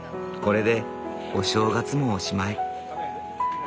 これでお正月もおしまい。